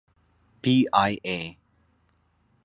پی ای اې.